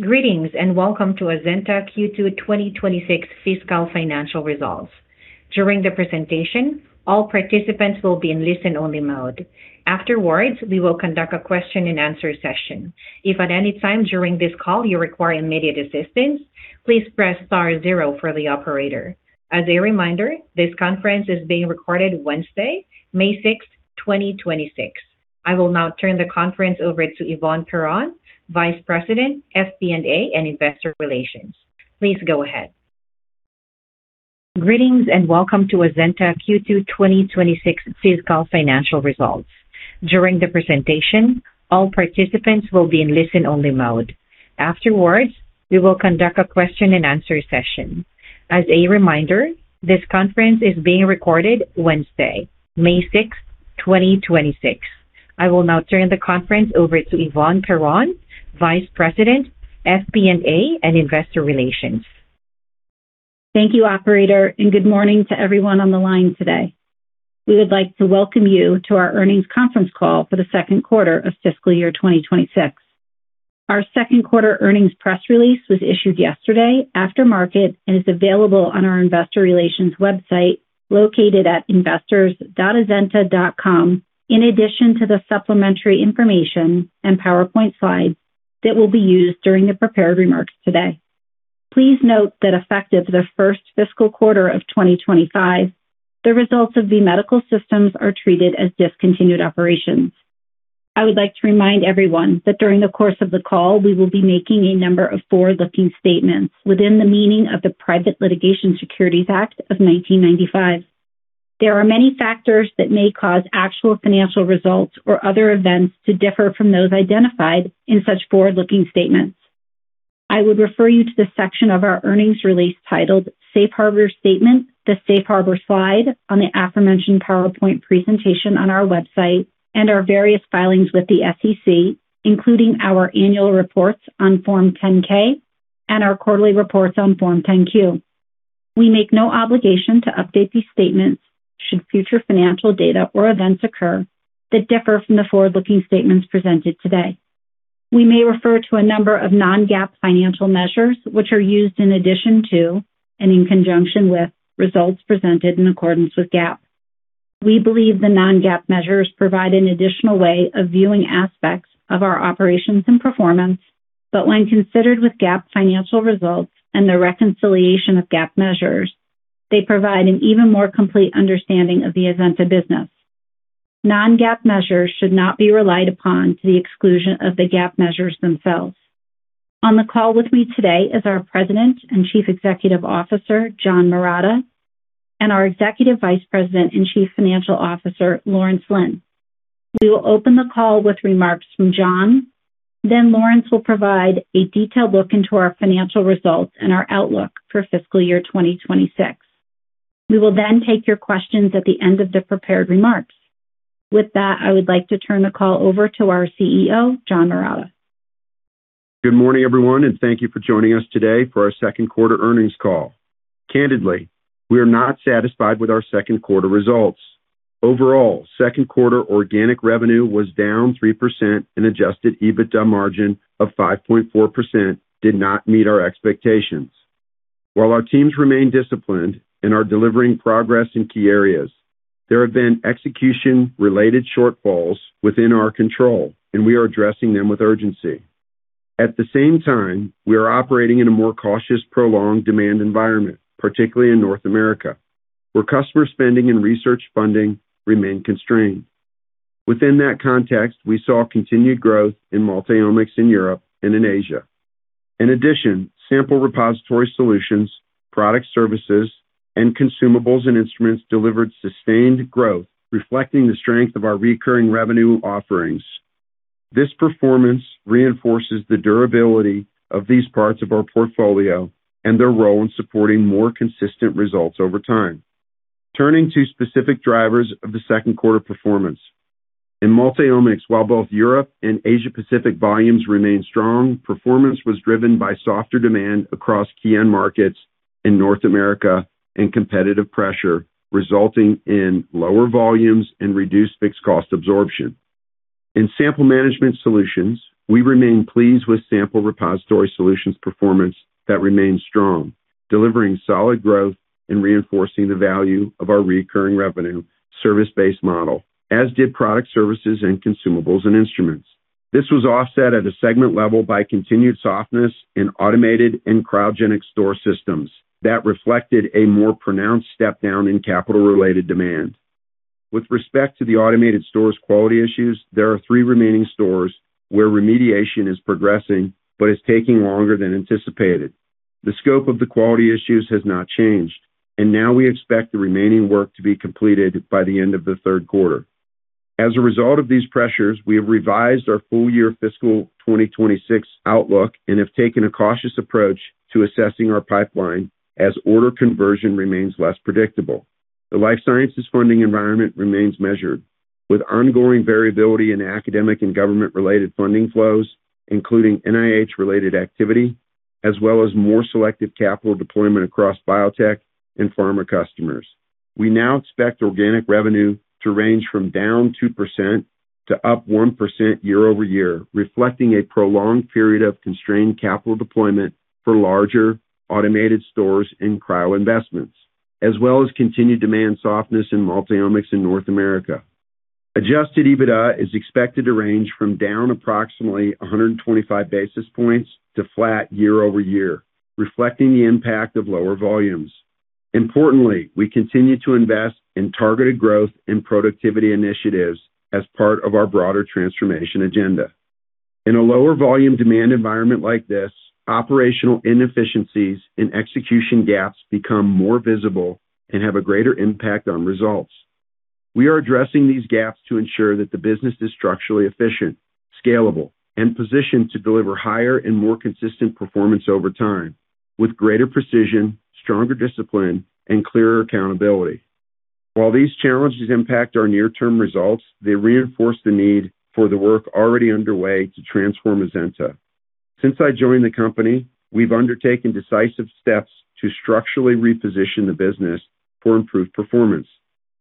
Greetings, and welcome to Azenta Q2 2026 fiscal financial results. During the presentation, all participants will be in listen-only mode. Afterwards, we will conduct a question-and-answer session. If at any time during this call you require immediate assistance, please press star zero for the operator. As a reminder, this conference is being recorded Wednesday, May 6th, 2026. I will now turn the conference over to Yvonne Perron, Vice President, FP&A, and Investor Relations. Please go ahead. Thank you, operator, and good morning to everyone on the line today. We would like to welcome you to our earnings conference call for the Q2 of fiscal year 2026. Our Q2 earnings press release was issued yesterday after market and is available on our investor relations website, located at investors.azenta.com, in addition to the supplementary information and PowerPoint slides that will be used during the prepared remarks today. Please note that effective the first fiscal quarter of 2025, the results of B Medical Systems are treated as discontinued operations. I would like to remind everyone that during the course of the call, we will be making a number of forward-looking statements within the meaning of the Private Securities Litigation Reform Act of 1995. There are many factors that may cause actual financial results or other events to differ from those identified in such forward-looking statements. I would refer you to the section of our earnings release titled Safe Harbor Statement, the Safe Harbor slide on the aforementioned PowerPoint presentation on our website, Our various filings with the SEC, including our annual reports on Form 10-K and our quarterly reports on Form 10-Q. We make no obligation to update these statements should future financial data or events occur that differ from the forward-looking statements presented today. We may refer to a number of non-GAAP financial measures, which are used in addition to and in conjunction with results presented in accordance with GAAP. We believe the non-GAAP measures provide an additional way of viewing aspects of our operations and performance, but when considered with GAAP financial results and the reconciliation of GAAP measures, they provide an even more complete understanding of the Azenta business. Non-GAAP measures should not be relied upon to the exclusion of the GAAP measures themselves. On the call with me today is our President and Chief Executive Officer, John Marotta, and our Executive Vice President and Chief Financial Officer, Lawrence Lin. We will open the call with remarks from John, then Lawrence will provide a detailed look into our financial results and our outlook for fiscal year 2026. We will then take your questions at the end of the prepared remarks. I would like to turn the call over to our CEO, John Marotta. Good morning, everyone, thank you for joining us today for our Q2 earnings call. Candidly, we are not satisfied with our Q2 results. Overall, Q2 organic revenue was down 3% and adjusted EBITDA margin of 5.4% did not meet our expectations. While our teams remain disciplined and are delivering progress in key areas, there have been execution-related shortfalls within our control, and we are addressing them with urgency. The same time, we are operating in a more cautious, prolonged demand environment, particularly in North America, where customer spending and research funding remain constrained. Within that context, we saw continued growth in Multiomics in Europe and in Asia. Addition, Sample Repository Solutions, Product Services, and Consumables and Instruments delivered sustained growth, reflecting the strength of our recurring revenue offerings. This performance reinforces the durability of these parts of our portfolio and their role in supporting more consistent results over time. Turning to specific drivers of the Q2 performance. In Multiomics, while both Europe and Asia Pacific volumes remained strong, performance was driven by softer demand across key end markets in North America and competitive pressure, resulting in lower volumes and reduced fixed cost absorption. In Sample Management Solutions, we remain pleased with Sample Repository Solutions performance that remains strong, delivering solid growth and reinforcing the value of our recurring revenue service-based model, as did Product Services and Consumables and Instruments. This was offset at a segment level by continued softness in automated and cryogenic store systems that reflected a more pronounced step down in capital-related demand. With respect to the automated stores quality issues, there are three remaining stores where remediation is progressing but is taking longer than anticipated. The scope of the quality issues has not changed, and now we expect the remaining work to be completed by the end of the Q3. As a result of these pressures, we have revised our full year fiscal 2026 outlook and have taken a cautious approach to assessing our pipeline as order conversion remains less predictable. The life sciences funding environment remains measured, with ongoing variability in academic and government-related funding flows, including NIH-related activity, as well as more selective capital deployment across biotech and pharma customers. We now expect organic revenue to range from down 2% to up 1% year-over-year, reflecting a prolonged period of constrained capital deployment for larger automated stores and cryo investments, as well as continued demand softness in Multiomics in North America. Adjusted EBITDA is expected to range from down approximately 125 basis points to flat year-over-year, reflecting the impact of lower volumes. Importantly, we continue to invest in targeted growth and productivity initiatives as part of our broader transformation agenda. In a lower volume demand environment like this, operational inefficiencies and execution gaps become more visible and have a greater impact on results. We are addressing these gaps to ensure that the business is structurally efficient, scalable, and positioned to deliver higher and more consistent performance over time with greater precision, stronger discipline, and clearer accountability. While these challenges impact our near-term results, they reinforce the need for the work already underway to transform Azenta. Since I joined the company, we've undertaken decisive steps to structurally reposition the business for improved performance.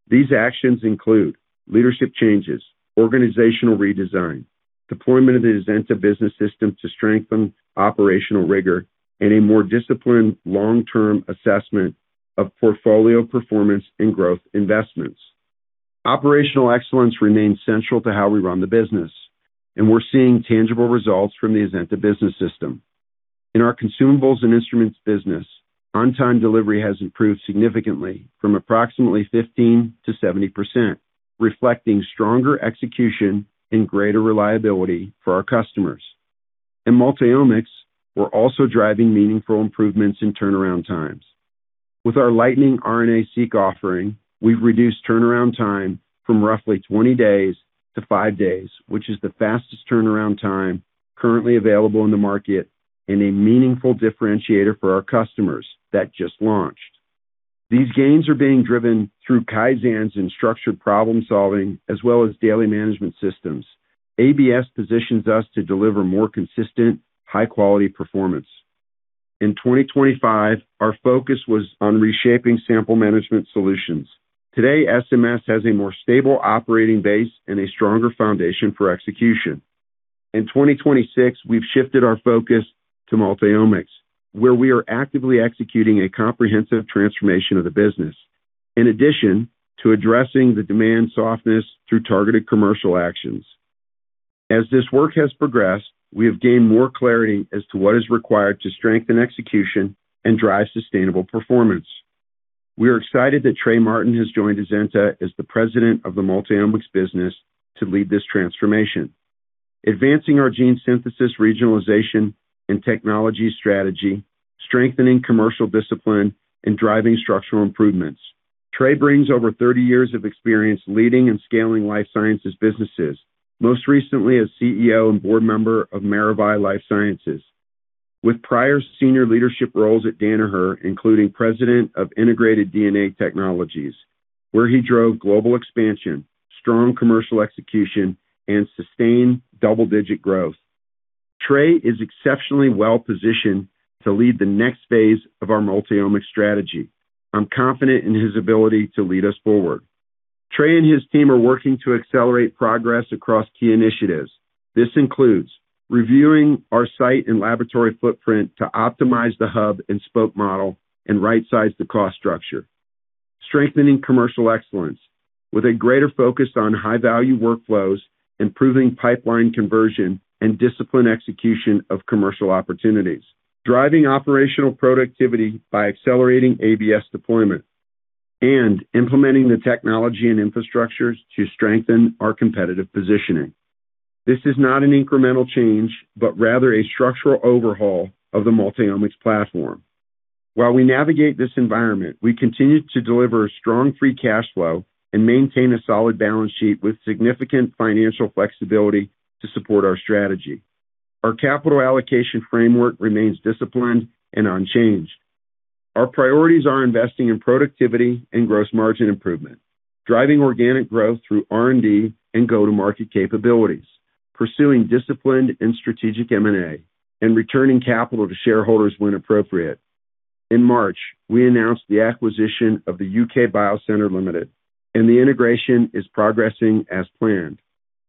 These actions include leadership changes, organizational redesign, deployment of the Azenta Business System to strengthen operational rigor, and a more disciplined long-term assessment of portfolio performance and growth investments. Operational excellence remains central to how we run the business. We're seeing tangible results from the Azenta Business System. In our Consumables and Instruments business, on-time delivery has improved significantly from approximately 15%-70%, reflecting stronger execution and greater reliability for our customers. In Multiomics, we're also driving meaningful improvements in turnaround times. With our Lightning RNA-Seq offering, we've reduced turnaround time from roughly 20 days to 5 days, which is the fastest turnaround time currently available in the market and a meaningful differentiator for our customers that just launched. These gains are being driven through Kaizens and structured problem-solving as well as daily management systems. ABS positions us to deliver more consistent, high-quality performance. In 2025, our focus was on reshaping Sample Management Solutions. Today, SMS has a more stable operating base and a stronger foundation for execution. In 2026, we've shifted our focus to Multiomics, where we are actively executing a comprehensive transformation of the business. In addition to addressing the demand softness through targeted commercial actions. As this work has progressed, we have gained more clarity as to what is required to strengthen execution and drive sustainable performance. We are excited that Trey Martin has joined Azenta as the President of the Multiomics business to lead this transformation, advancing our gene synthesis regionalization and technology strategy, strengthening commercial discipline, and driving structural improvements. Trey brings over 30 years of experience leading and scaling life sciences businesses, most recently as CEO and board member of Maravai LifeSciences. With prior senior leadership roles at Danaher Corporation, including President of Integrated DNA Technologies, where he drove global expansion, strong commercial execution, and sustained double-digit growth. Trey is exceptionally well-positioned to lead the next phase of our Multiomics strategy. I'm confident in his ability to lead us forward. Trey and his team are working to accelerate progress across key initiatives. This includes reviewing our site and laboratory footprint to optimize the hub and spoke model and right-size the cost structure, strengthening commercial excellence with a greater focus on high-value workflows, improving pipeline conversion, and disciplined execution of commercial opportunities, driving operational productivity by accelerating ABS deployment, implementing the technology and infrastructures to strengthen our competitive positioning. This is not an incremental change, but rather a structural overhaul of the Multiomics platform. While we navigate this environment, we continue to deliver a strong free cash flow and maintain a solid balance sheet with significant financial flexibility to support our strategy. Our capital allocation framework remains disciplined and unchanged. Our priorities are investing in productivity and gross margin improvement, driving organic growth through R&D and go-to-market capabilities, pursuing disciplined and strategic M&A, and returning capital to shareholders when appropriate. In March, we announced the acquisition of the U.K. Biocentre Limited, and the integration is progressing as planned.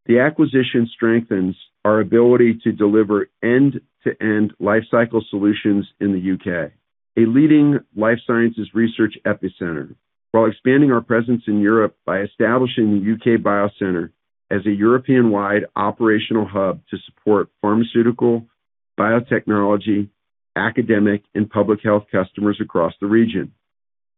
The acquisition strengthens our ability to deliver end-to-end life cycle solutions in the U.K., a leading life sciences research epicenter, while expanding our presence in Europe by establishing the U.K. Biocentre as a European-wide operational hub to support pharmaceutical, biotechnology, academic, and public health customers across the region.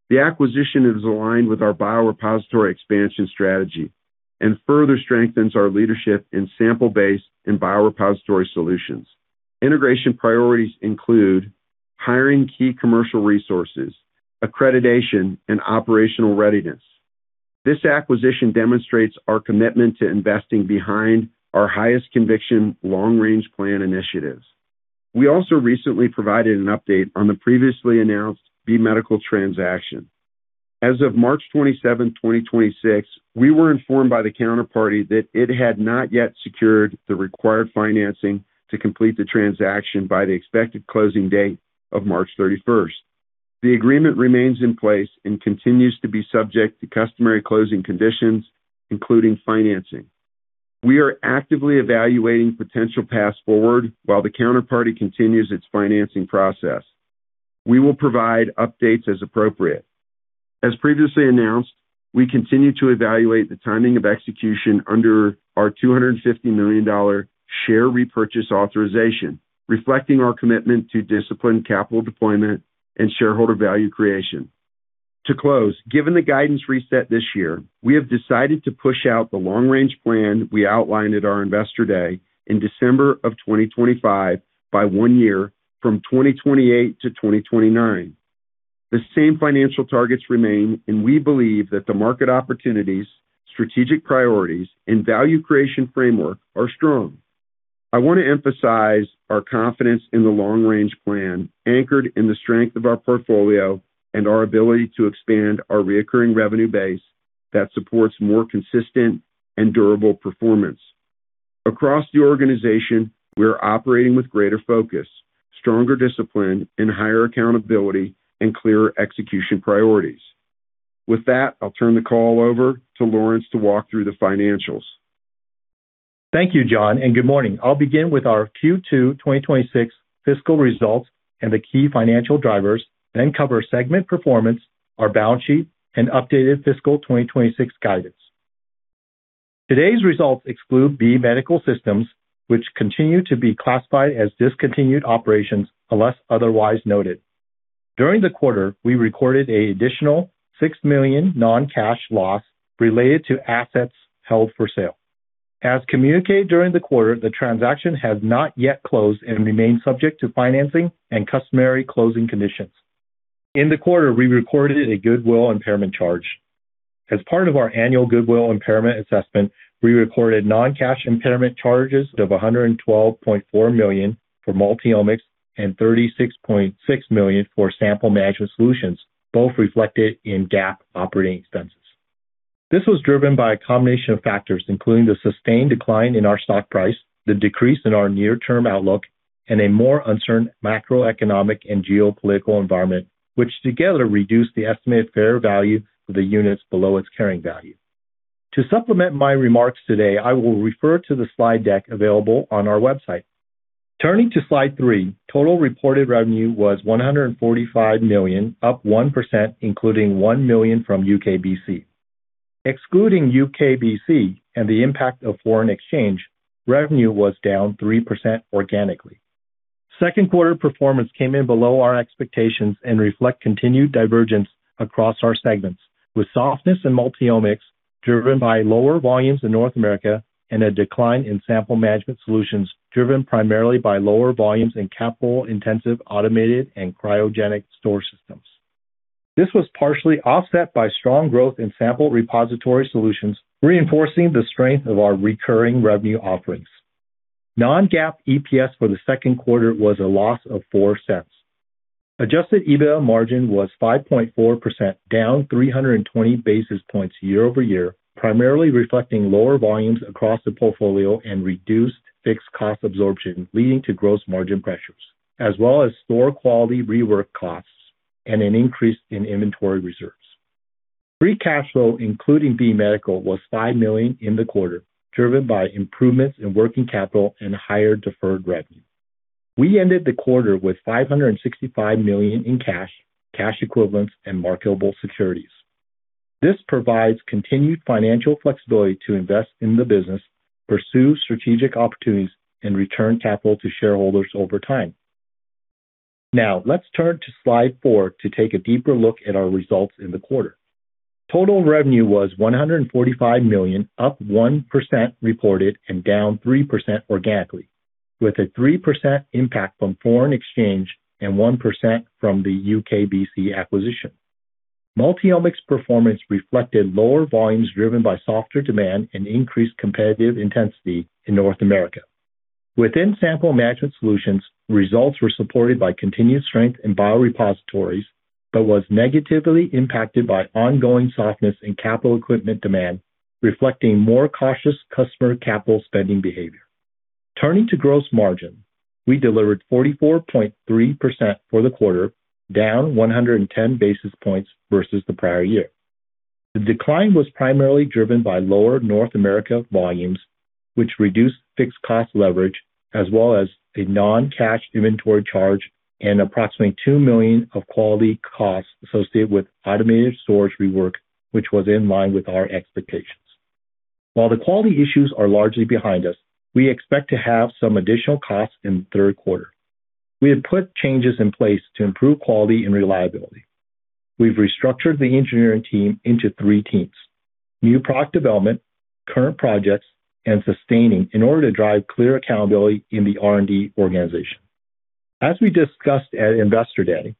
The acquisition is aligned with our biorepository expansion strategy and further strengthens our leadership in sample-based and biorepository solutions. Integration priorities include hiring key commercial resources, accreditation, and operational readiness. This acquisition demonstrates our commitment to investing behind our highest conviction long-range plan initiatives. We also recently provided an update on the previously announced B Medical transaction. As of March 27th, 2026, we were informed by the counterparty that it had not yet secured the required financing to complete the transaction by the expected closing date of March 31st. The agreement remains in place and continues to be subject to customary closing conditions, including financing. We are actively evaluating potential paths forward while the counterparty continues its financing process. We will provide updates as appropriate. As previously announced, we continue to evaluate the timing of execution under our $250 million share repurchase authorization, reflecting our commitment to disciplined capital deployment and shareholder value creation. To close, given the guidance reset this year, we have decided to push out the long-range plan we outlined at our Investor Day in December of 2025 by one year from 2028 to 2029. The same financial targets remain, and we believe that the market opportunities, strategic priorities, and value creation framework are strong. I want to emphasize our confidence in the long-range plan anchored in the strength of our portfolio and our ability to expand our reoccurring revenue base that supports more consistent and durable performance. Across the organization, we are operating with greater focus, stronger discipline and higher accountability and clearer execution priorities. With that, I'll turn the call over to Lawrence to walk through the financials. Thank you, John, and good morning. I'll begin with our Q2 2026 fiscal results and the key financial drivers, then cover segment performance, our balance sheet and updated fiscal 2026 guidance. Today's results exclude B Medical Systems, which continue to be classified as discontinued operations unless otherwise noted. During the quarter, we recorded an additional $6 million non-cash loss related to assets held for sale. As communicated during the quarter, the transaction has not yet closed and remains subject to financing and customary closing conditions. In the quarter, we recorded a goodwill impairment charge. As part of our annual goodwill impairment assessment, we recorded non-cash impairment charges of $112.4 million for Multiomics and $36.6 million for Sample Management Solutions, both reflected in GAAP operating expenses. This was driven by a combination of factors, including the sustained decline in our stock price, the decrease in our near-term outlook, and a more uncertain macroeconomic and geopolitical environment, which together reduced the estimated fair value of the units below its carrying value. To supplement my remarks today, I will refer to the slide deck available on our website. Turning to slide three, total reported revenue was $145 million, up 1%, including $1 million from U.K. Biocentre. Excluding U.K. Biocentre and the impact of foreign exchange, revenue was down 3% organically. Q2 performance came in below our expectations and reflect continued divergence across our segments, with softness in Multiomics driven by lower volumes in North America and a decline in Sample Management Solutions driven primarily by lower volumes in capital-intensive automated and cryogenic storage systems. This was partially offset by strong growth in Sample Repository Solutions, reinforcing the strength of our recurring revenue offerings. Non-GAAP EPS for the Q2 was a loss of $0.04. Adjusted EBITDA margin was 5.4%, down 320 basis points year-over-year, primarily reflecting lower volumes across the portfolio and reduced fixed cost absorption, leading to gross margin pressures, as well as store quality rework costs and an increase in inventory reserves. Free cash flow, including B Medical, was $5 million in the quarter, driven by improvements in working capital and higher deferred revenue. We ended the quarter with $565 million in cash equivalents and marketable securities. This provides continued financial flexibility to invest in the business, pursue strategic opportunities, and return capital to shareholders over time. Now, let's turn to slide four to take a deeper look at our results in the quarter. Total revenue was $145 million, up 1% reported and down 3% organically, with a 3% impact from foreign exchange and 1% from the U.K. Biocentre acquisition. Multiomics performance reflected lower volumes driven by softer demand and increased competitive intensity in North America. Within Sample Management Solutions, results were supported by continued strength in biorepositories, but was negatively impacted by ongoing softness in capital equipment demand, reflecting more cautious customer capital spending behavior. Turning to gross margin, we delivered 44.3% for the quarter, down 110 basis points versus the prior year. The decline was primarily driven by lower North America volumes, which reduced fixed cost leverage as well as a non-cash inventory charge and approximately $2 million of quality costs associated with automated storage rework, which was in line with our expectations. While the quality issues are largely behind us, we expect to have some additional costs in the Q3. We have put changes in place to improve quality and reliability. We've restructured the engineering team into three teams: new product development, current projects, and sustaining in order to drive clear accountability in the R&D organization. As we discussed at Investor Day,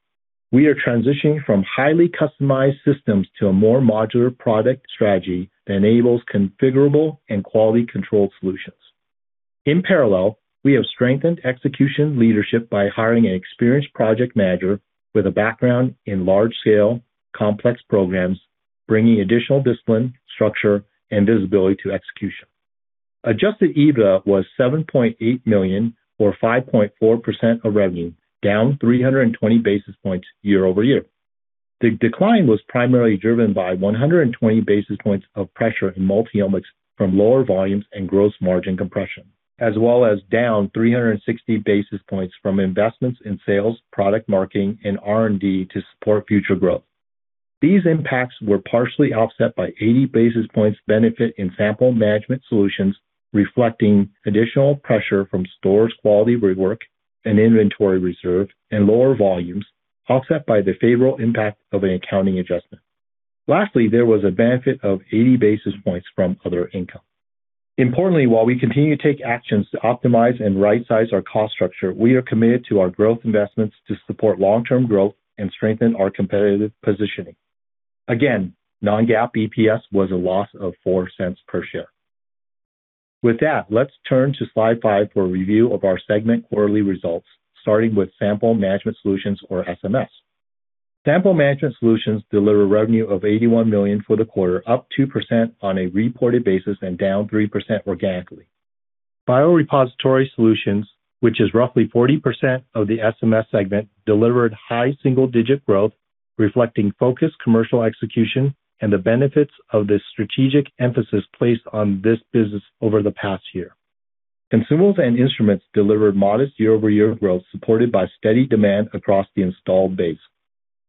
we are transitioning from highly customized systems to a more modular product strategy that enables configurable and quality control solutions. In parallel, we have strengthened execution leadership by hiring an experienced project manager with a background in large-scale complex programs, bringing additional discipline, structure, and visibility to execution. Adjusted EBITDA was $7.8 million or 5.4% of revenue, down 320 basis points year-over-year. The decline was primarily driven by 120 basis points of pressure in Multiomics from lower volumes and gross margin compression, as well as down 360 basis points from investments in sales, product marketing and R&D to support future growth. These impacts were partially offset by 80 basis points benefit in Sample Management Solutions, reflecting additional pressure from stores quality rework and inventory reserve and lower volumes, offset by the favorable impact of an accounting adjustment. Lastly, there was a benefit of 80 basis points from other income. Importantly, while we continue to take actions to optimize and right-size our cost structure, we are committed to our growth investments to support long-term growth and strengthen our competitive positioning. Again, non-GAAP EPS was a loss of $0.04 per share. With that, let's turn to slide 5 for a review of our segment quarterly results, starting with Sample Management Solutions or SMS. Sample Management Solutions delivered revenue of $81 million for the quarter, up 2% on a reported basis and down 3% organically. Biorepository Solutions, which is roughly 40% of the SMS segment, delivered high single-digit growth, reflecting focused commercial execution and the benefits of the strategic emphasis placed on this business over the past year. Consumables and Instruments delivered modest year-over-year growth, supported by steady demand across the installed base.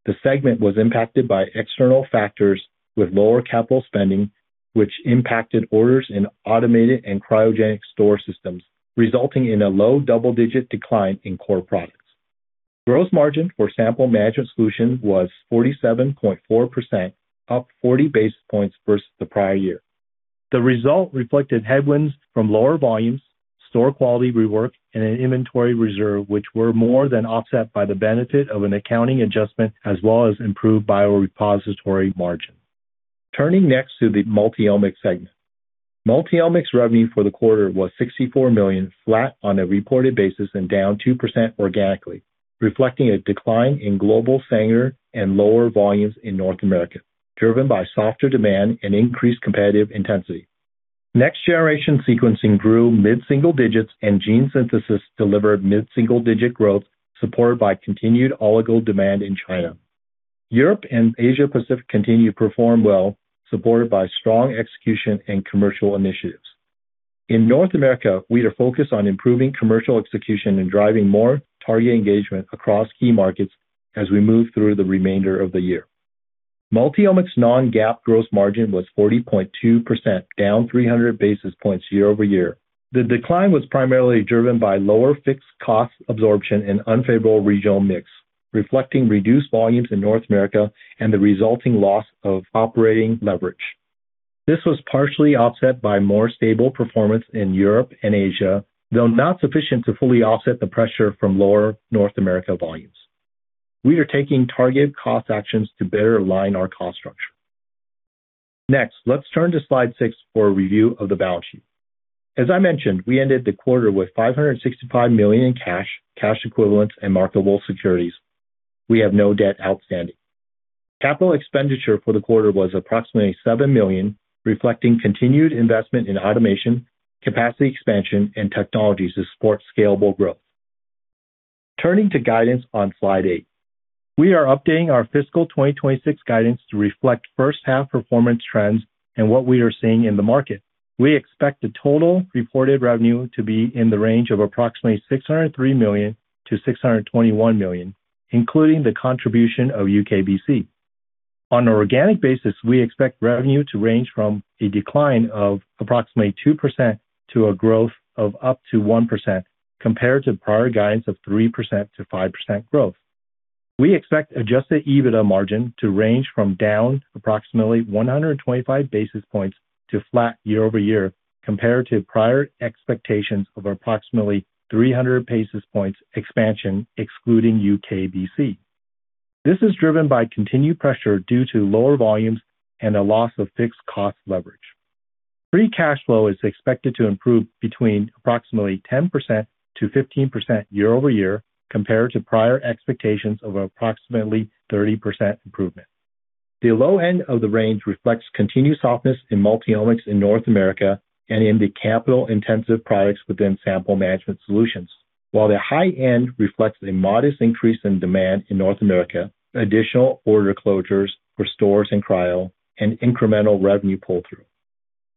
The segment was impacted by external factors with lower capital spending, which impacted orders in automated and cryogenic store systems, resulting in a low double-digit decline in core products. Gross margin for Sample Management Solutions was 47.4%, up 40 basis points versus the prior year. The result reflected headwinds from lower volumes, store quality rework, and an inventory reserve which were more than offset by the benefit of an accounting adjustment as well as improved biorepository margin. Turning next to the Multiomics segment. Multiomics revenue for the quarter was $64 million, flat on a reported basis and down 2% organically, reflecting a decline in global Sanger and lower volumes in North America, driven by softer demand and increased competitive intensity. Next Generation Sequencing grew mid-single digits and gene synthesis delivered mid-single digit growth, supported by continued oligo demand in China. Europe and Asia Pacific continue to perform well, supported by strong execution and commercial initiatives. In North America, we are focused on improving commercial execution and driving more target engagement across key markets as we move through the remainder of the year. Multiomics non-GAAP gross margin was 40.2%, down 300 basis points year-over-year. The decline was primarily driven by lower fixed cost absorption and unfavorable regional mix, reflecting reduced volumes in North America and the resulting loss of operating leverage. This was partially offset by more stable performance in Europe and Asia, though not sufficient to fully offset the pressure from lower North America volumes. We are taking targeted cost actions to better align our cost structure. Next, let's turn to slide six for a review of the balance sheet. As I mentioned, we ended the quarter with $565 million in cash equivalents, and marketable securities. We have no debt outstanding. CapEx for the quarter was approximately $7 million, reflecting continued investment in automation, capacity expansion, and technologies to support scalable growth. Turning to guidance on slide eight. We are updating our fiscal 2026 guidance to reflect H1 performance trends and what we are seeing in the market. We expect the total reported revenue to be in the range of approximately $603 million-$621 million, including the contribution of UK Biocentre. On an organic basis, we expect revenue to range from a decline of approximately 2% to a growth of up to 1% compared to prior guidance of 3%-5% growth. We expect adjusted EBITDA margin to range from down approximately 125 basis points to flat year-over-year compared to prior expectations of approximately 300 basis points expansion excluding U.K. Biocentre. This is driven by continued pressure due to lower volumes and a loss of fixed cost leverage. Free cash flow is expected to improve between approximately 10% to 15% year-over-year compared to prior expectations of approximately 30% improvement. The low end of the range reflects continued softness in Multiomics in North America and in the capital-intensive products within Sample Management Solutions, while the high end reflects a modest increase in demand in North America, additional order closures for stores and cryo, and incremental revenue pull-through.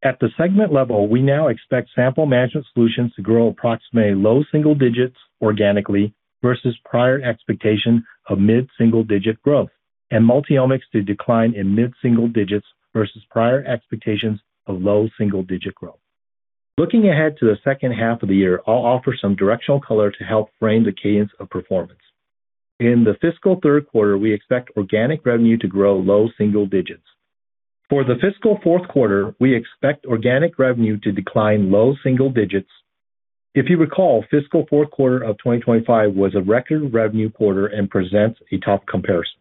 At the segment level, we now expect Sample Management Solutions to grow approximately low single-digits organically versus prior expectation of mid-single-digit growth, and Multiomics to decline in mid-single-digits versus prior expectations of low single-digit growth. Looking ahead to the H2 of the year, I'll offer some directional color to help frame the cadence of performance. In the fiscal Q3, we expect organic revenue to grow low single digits. For the fiscal Q4, we expect organic revenue to decline low single digits. If you recall, fiscal Q4 of 2025 was a record revenue quarter and presents a tough comparison.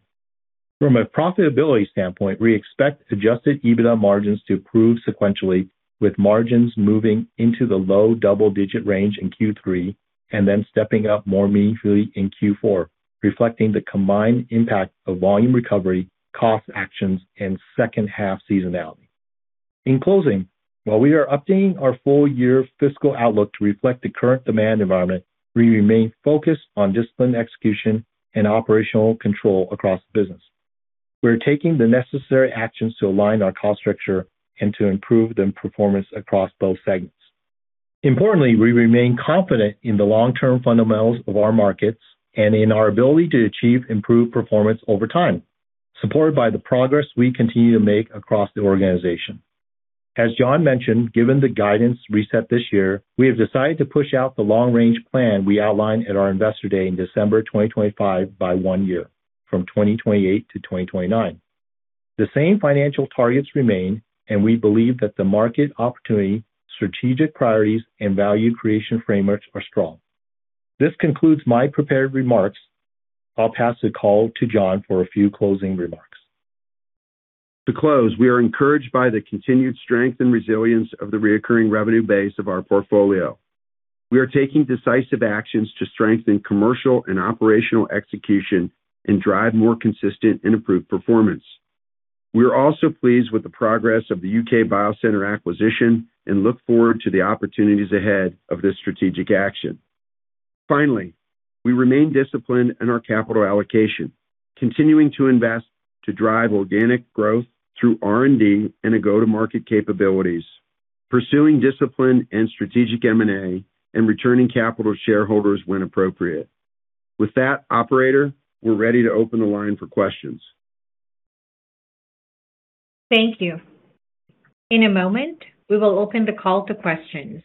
From a profitability standpoint, we expect adjusted EBITDA margins to improve sequentially, with margins moving into the low double-digit range in Q3 and then stepping up more meaningfully in Q4, reflecting the combined impact of volume recovery, cost actions, and H2 seasonality. In closing, while we are updating our full-year fiscal outlook to reflect the current demand environment, we remain focused on disciplined execution and operational control across the business. We are taking the necessary actions to align our cost structure and to improve the performance across both segments. Importantly, we remain confident in the long-term fundamentals of our markets and in our ability to achieve improved performance over time, supported by the progress we continue to make across the organization. As John mentioned, given the guidance reset this year, we have decided to push out the long-range plan we outlined at our Investor Day in December 2025 by one year from 2028 to 2029. The same financial targets remain. We believe that the market opportunity, strategic priorities, and value creation frameworks are strong. This concludes my prepared remarks. I'll pass the call to John for a few closing remarks. To close, we are encouraged by the continued strength and resilience of the recurring revenue base of our portfolio. We are taking decisive actions to strengthen commercial and operational execution and drive more consistent and improved performance. We are also pleased with the progress of the U.K. Biocentre acquisition and look forward to the opportunities ahead of this strategic action. Finally, we remain disciplined in our capital allocation, continuing to invest to drive organic growth through R&D and go-to-market capabilities, pursuing discipline and strategic M&A, and returning capital to shareholders when appropriate. With that, operator, we're ready to open the line for questions. Thank you. In a moment, we would open the call to questions.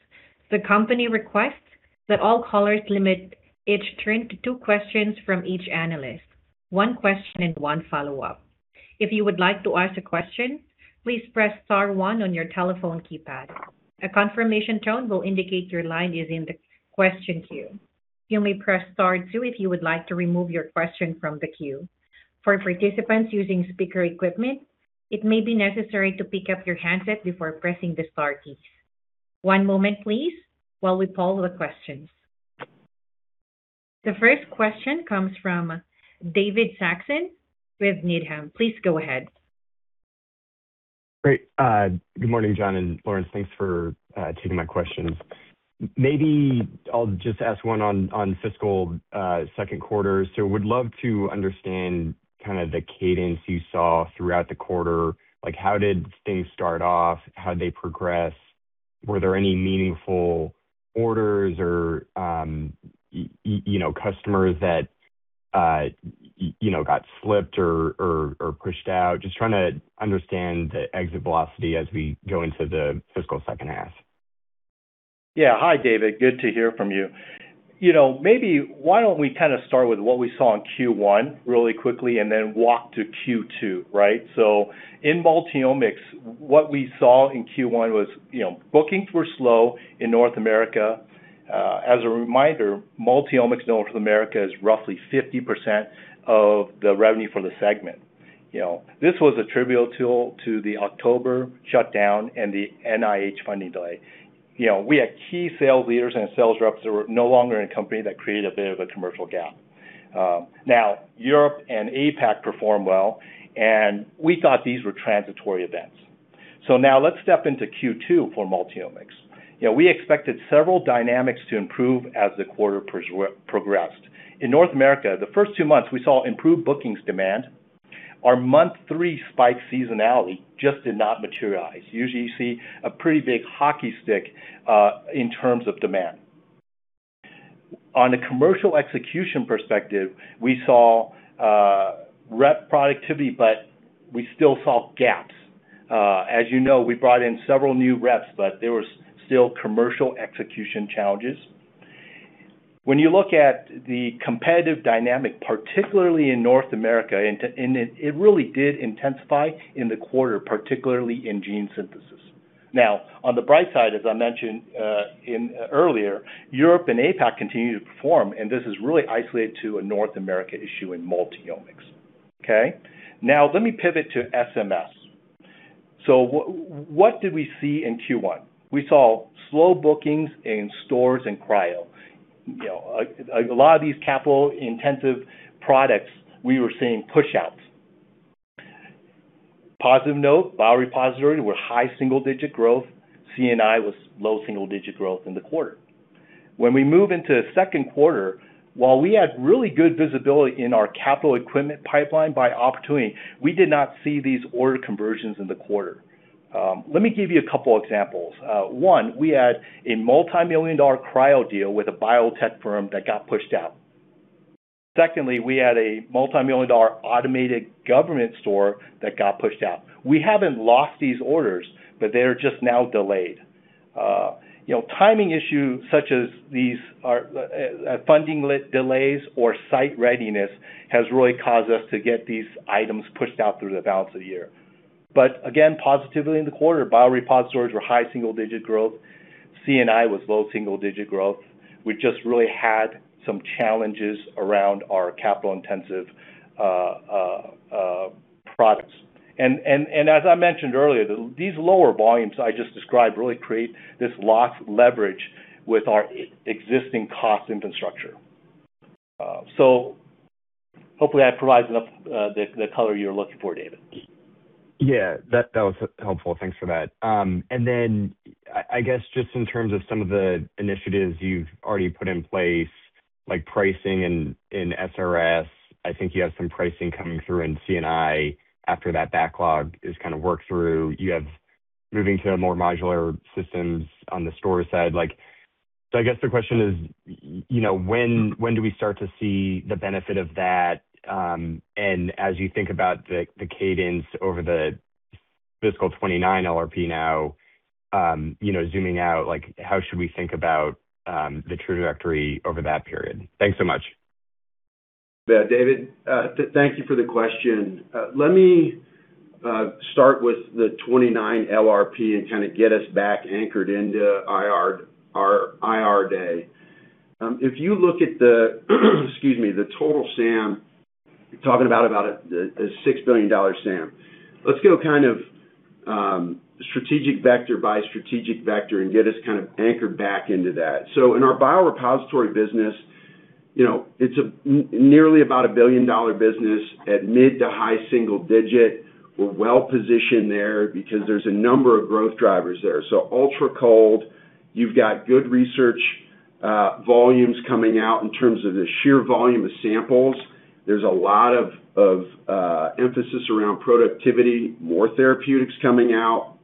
The company requests that all callers limit each trend to two questions from each analyst, one question and one follow up. If you would like to ask a question, please press star one on your telephone keypad. A confirmation tone would indicate your line is in the question queue. You may press star two if you would like to remove your question from the queue. For participants using the speaker equipment, it may be necessary to pick up your handset before pressing the star key. One moment please, while we follow the questions. The first question comes from David Saxon with Needham. Please go ahead. Great. Good morning, John and Lawrence. Thanks for taking my questions. Maybe I'll just ask one on fiscal Q2. Would love to understand kind of the cadence you saw throughout the quarter. Like, how did things start off? How did they progress? Were there any meaningful orders or, you know, customers that, you know, got slipped or pushed out? Just trying to understand the exit velocity as we go into the fiscal H2. Yeah. Hi, David. Good to hear from you. You know, maybe why don't we kind of start with what we saw in Q1 really quickly and then walk to Q2, right? In Multiomics, what we saw in Q1 was, you know, bookings were slow in North America. As a reminder, Multiomics North America is roughly 50% of the revenue for the segment. You know, this was attributable to the October shutdown and the NIH funding delay. You know, we had key sales leaders and sales reps that were no longer in a company that created a bit of a commercial gap. Now, Europe and APAC performed well, and we thought these were transitory events. Now let's step into Q2 for Multiomics. You know, we expected several dynamics to improve as the quarter progressed. In North America, the first two months, we saw improved bookings demand. Our month three spike seasonality just did not materialize. Usually, you see a pretty big hockey stick in terms of demand. On a commercial execution perspective, we saw rep productivity, but we still saw gaps. As you know, we brought in several new reps, but there was still commercial execution challenges. When you look at the competitive dynamic, particularly in North America, it really did intensify in the quarter, particularly in gene synthesis. On the bright side, as I mentioned earlier, Europe and APAC continue to perform, and this is really isolated to a North America issue in Multiomics. Okay. Let me pivot to SMS. What did we see in Q1? We saw slow bookings in stores and cryo. You know, a lot of these capital-intensive products, we were seeing pushouts. Positive note, biorepositories were high single-digit growth. C&I was low single-digit growth in the quarter. We move into the Q2, while we had really good visibility in our capital equipment pipeline by opportunity, we did not see these order conversions in the quarter. Let me give you two examples. One, we had a multimillion-dollar cryo deal with a biotech firm that got pushed out. Secondly, we had a multimillion-dollar automated government store that got pushed out. We haven't lost these orders, but they are just now delayed. You know, timing issues such as these are funding delays or site readiness has really caused us to get these items pushed out through the balance of the year. Again, positively in the quarter, biorepositories were high single-digit growth. C&I was low single-digit growth. We just really had some challenges around our capital-intensive products. As I mentioned earlier, these lower volumes I just described really create this loss leverage with our existing cost infrastructure. Hopefully that provides enough the color you're looking for, David. Yeah. That was helpful. Thanks for that. I guess just in terms of some of the initiatives you've already put in place, like pricing and SRS, I think you have some pricing coming through in C&I after that backlog is kind of worked through. You have moving to more modular systems on the store side. Like, I guess the question is, you know, when do we start to see the benefit of that? As you think about the cadence over the fiscal 2029 LRP now, you know, zooming out, like, how should we think about the trajectory over that period? Thanks so much. Yeah, David, thank you for the question. Let me start with the 29 LRP and kind of get us back anchored into IR, our IR day. If you look at the, excuse me, the total SAM, talking about a $6 billion SAM. Let's go kind of strategic vector by strategic vector and get us kind of anchored back into that. In our biorepository business, you know, it's a nearly about a $1 billion business at mid to high single-digit. We're well-positioned there because there's a number of growth drivers there. Ultracold, you've got good research volumes coming out in terms of the sheer volume of samples. There's a lot of emphasis around productivity, more therapeutics coming out,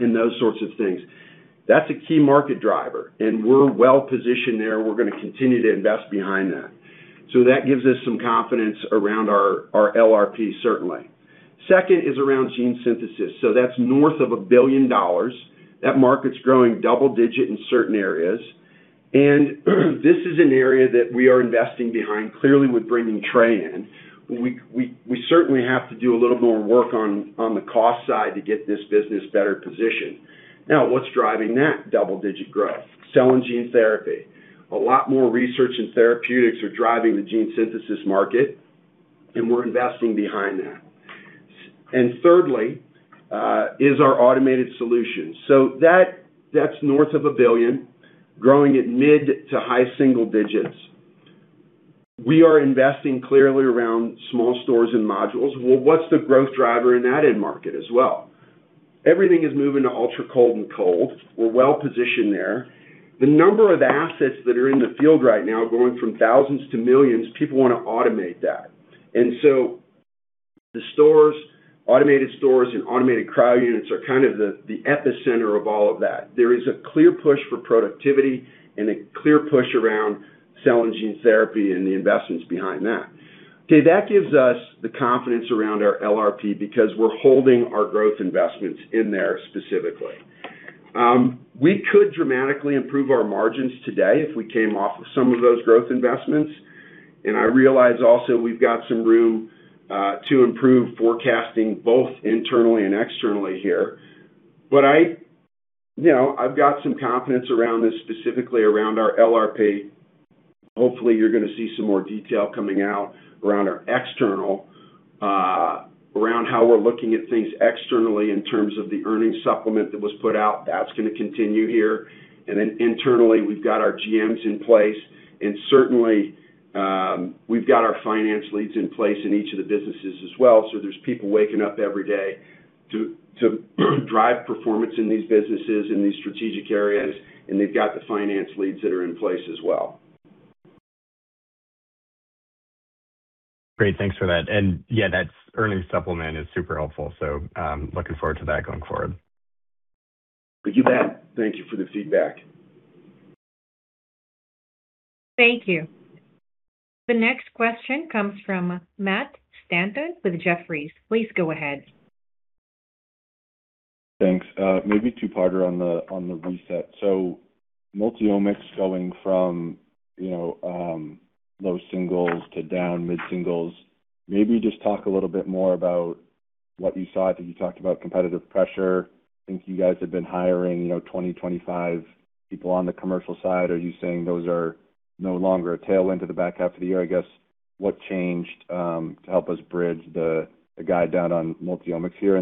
and those sorts of things. That's a key market driver, and we're well-positioned there. We're gonna continue to invest behind that. That gives us some confidence around our LRP certainly. Second is around gene synthesis. That's north of $1 billion. That market's growing double-digit in certain areas. This is an area that we are investing behind, clearly with bringing Trey in. We certainly have to do a little more work on the cost side to get this business better positioned. What's driving that double-digit growth? Cell and gene therapy. A lot more research and therapeutics are driving the gene synthesis market. We're investing behind that. Thirdly, is our automated solutions. That, that's north of $1 billion, growing at mid-to-high single digits. We are investing clearly around small stores and modules. What's the growth driver in that end market as well? Everything is moving to ultracold and cold. We're well-positioned there. The number of assets that are in the field right now going from thousands to millions, people wanna automate that. The stores, automated stores and automated cryo units are kind of the epicenter of all of that. There is a clear push for productivity and a clear push around cell and gene therapy and the investments behind that. Okay, that gives us the confidence around our LRP because we're holding our growth investments in there specifically. We could dramatically improve our margins today if we came off of some of those growth investments, and I realize also we've got some room to improve forecasting both internally and externally here. I, you know, I've got some confidence around this, specifically around our LRP. Hopefully, you're gonna see some more detail coming out around our external, around how we're looking at things externally in terms of the earnings supplement that was put out. That's gonna continue here. Then internally, we've got our GMs in place, and certainly, we've got our finance leads in place in each of the businesses as well. There's people waking up every day to drive performance in these businesses, in these strategic areas, and they've got the finance leads that are in place as well. Great. Thanks for that. Yeah, that earnings supplement is super helpful, so looking forward to that going forward. You bet. Thank you for the feedback. Thank you. The next question comes from Matt Stanton with Jefferies. Please go ahead. Thanks. Maybe two-parter on the reset. Multiomics going from, you know, low singles to down mid-singles. Maybe just talk a little bit more about what you saw. I think you talked about competitive pressure. I think you guys have been hiring, you know, 20-25 people on the commercial side. Are you saying those are no longer a tailwind to the back half of the year? I guess, what changed to help us bridge the guide down on Multiomics here?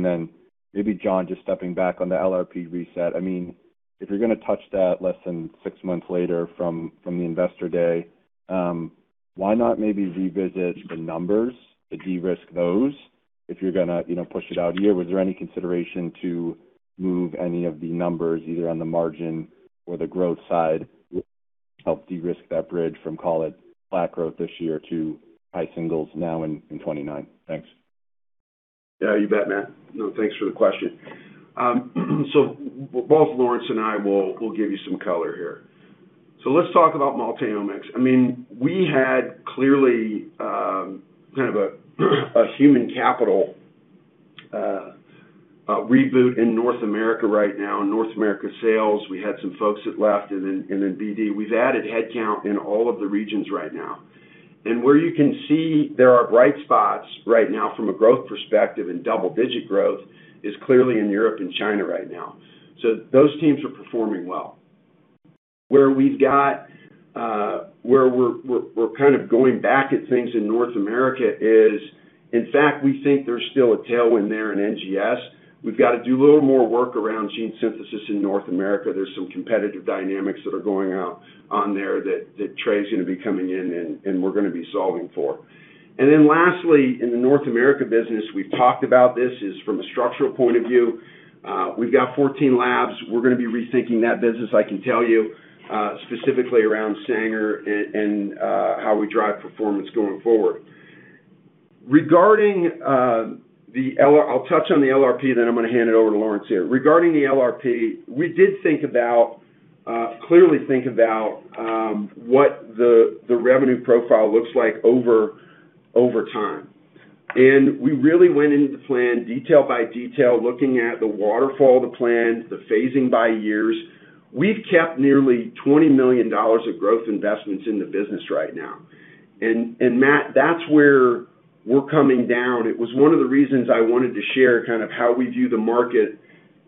Maybe, John, just stepping back on the LRP reset. I mean, if you're gonna touch that less than 6 months later from the Investor Day, why not maybe revisit the numbers to de-risk those if you're gonna, you know, push it out a year? Was there any consideration to move any of the numbers, either on the margin or the growth side, would help de-risk that bridge from, call it, flat growth this year to high singles now in 2029? Thanks. Yeah, you bet, Matt. No, thanks for the question. Both Lawrence and I will give you some color here. Let's talk about Multiomics. I mean, we had clearly kind of a human capital reboot in North America right now. In North America sales, we had some folks that left and then BD. We've added headcount in all of the regions right now. Where you can see there are bright spots right now from a growth perspective and double-digit growth is clearly in Europe and China right now. Those teams are performing well. Where we've got where we're kind of going back at things in North America is, in fact, we think there's still a tailwind there in NGS. We've got to do a little more work around gene synthesis in North America. There's some competitive dynamics that are going out on there that Trey is going to be coming in and we're going to be solving for. Lastly, in the North America business, we've talked about this, is from a structural point of view, we've got 14 labs. We're going to be rethinking that business, I can tell you, specifically around Sanger and how we drive performance going forward. Regarding the LRP, I'll touch on the LRP, then I'm going to hand it over to Lawrence here. Regarding the LRP, we did think about, clearly think about, what the revenue profile looks like over time. We really went into the plan detail by detail, looking at the waterfall of the plan, the phasing by years. We've kept nearly $20 million of growth investments in the business right now. Matt, that's where we're coming down. It was one of the reasons I wanted to share kind of how we view the market,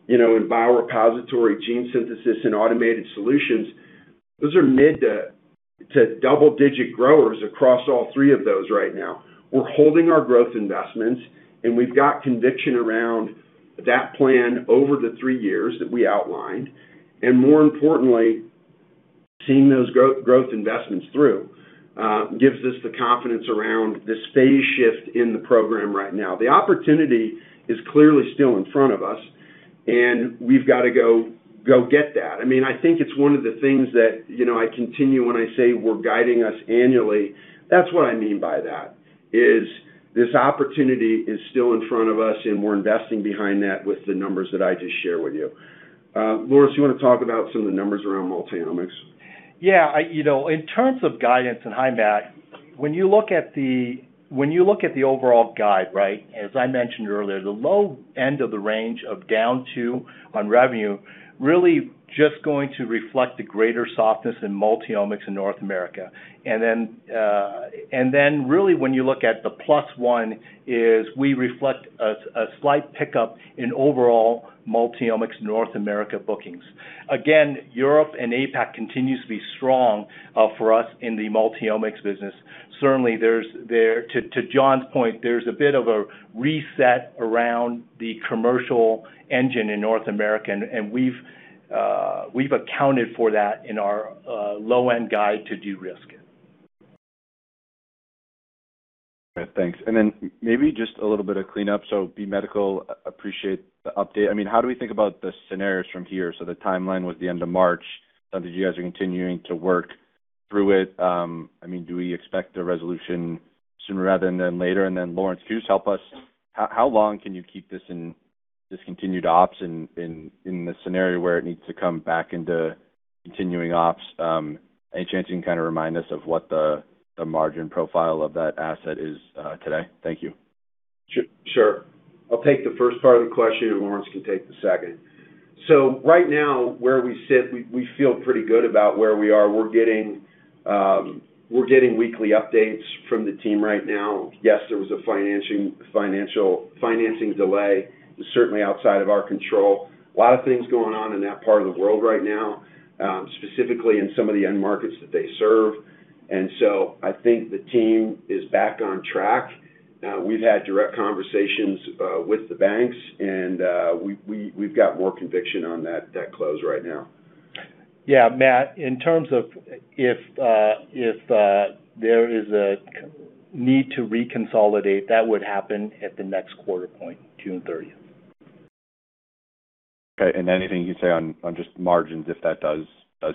you know, in biorepository gene synthesis and automated solutions. Those are mid- to double-digit growers across all three of those right now. We're holding our growth investments, and we've got conviction around that plan over the three years that we outlined. More importantly, seeing those growth investments through gives us the confidence around this phase shift in the program right now. The opportunity is clearly still in front of us, and we've got to go get that. I mean, I think it's one of the things that, you know, I continue when I say we're guiding us annually. That's what I mean by that, is this opportunity is still in front of us, and we're investing behind that with the numbers that I just shared with you. Lawrence, you want to talk about some of the numbers around Multiomics? Yeah, you know, in terms of guidance, hi, Matt, when you look at the overall guide, right, as I mentioned earlier, the low end of the range of down 2 on revenue really just going to reflect the greater softness in Multiomics in North America. Then really when you look at the +1 is we reflect a slight pickup in overall Multiomics North America bookings. Again, Europe and APAC continues to be strong for us in the Multiomics business. Certainly, there's to John's point, there's a bit of a reset around the commercial engine in North America. We've accounted for that in our low-end guide to de-risk it. All right, thanks. Maybe just a little bit of cleanup. B Medical, appreciate the update. I mean, how do we think about the scenarios from here? The timeline was the end of March. Did you guys are continuing to work through it? I mean, do we expect a resolution sooner rather than later? Lawrence, can you just help us, how long can you keep this in discontinued ops in, in the scenario where it needs to come back into continuing ops? Any chance you can kind of remind us of what the margin profile of that asset is today? Thank you. Sure. I'll take the first part of the question, and Lawrence can take the second. Right now, where we sit, we feel pretty good about where we are. We're getting weekly updates from the team right now. Yes, there was a financing delay. It was certainly outside of our control. A lot of things going on in that part of the world right now, specifically in some of the end markets that they serve. I think the team is back on track. We've had direct conversations with the banks, we've got more conviction on that close right now. Yeah, Matt, in terms of if there is a need to reconsolidate, that would happen at the next quarter point, June 30th. Okay, anything you'd say on just margins if that does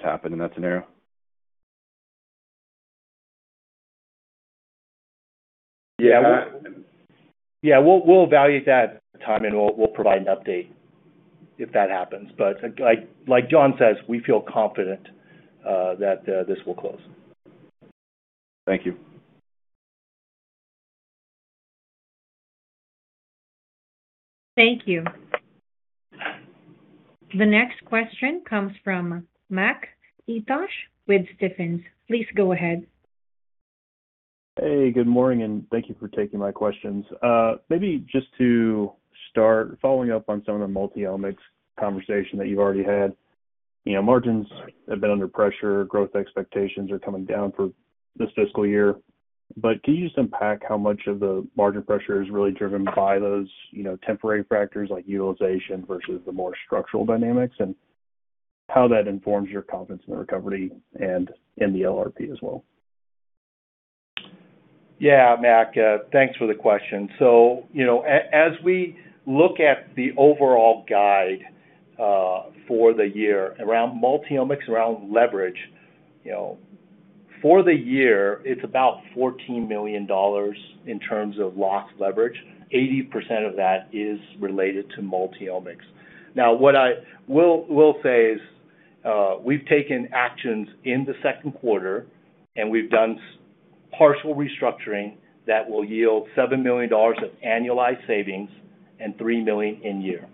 happen in that scenario? Yeah. Yeah, we'll evaluate that at the time, and we'll provide an update if that happens. Like John says, we feel confident that this will close. Thank you. Thank you. The next question comes from Mac Etoch with Stephens. Please go ahead. Hey, good morning, and thank you for taking my questions. Maybe just to start following up on some of the Multiomics conversation that you've already had. You know, margins have been under pressure. Growth expectations are coming down for this fiscal year. Can you just unpack how much of the margin pressure is really driven by those, you know, temporary factors like utilization versus the more structural dynamics, and how that informs your confidence in the recovery and in the LRP as well? Yeah, Mac, thanks for the question. You know, as we look at the overall guide for the year around Multiomics, around leverage, you know, for the year it's about $14 million in terms of lost leverage. 80% of that is related to Multiomics. Now, what I will say is, we've taken actions in the Q2, and we've done partial restructuring that will yield $7 million of annualized savings and $3 million in year.